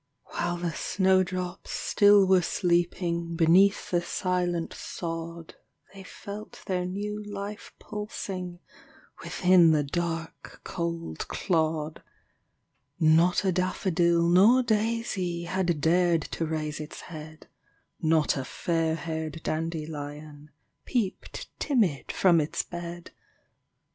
While the snow drops still were sleeping Beneath the silent sod; They felt their new life pulsing Within the dark, cold clod. Not a daffodil nor daisy Had dared to raise its head; Not a fairhaired dandelion Peeped timid from its bed; THE CROCUSES.